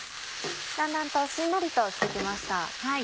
だんだんとしんなりとして来ました。